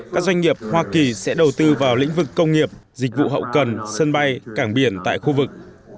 các doanh nghiệp hoa kỳ sẽ đầu tư vào lĩnh vực công nghiệp dịch vụ hậu cần sân bay cảng biển tại khu vực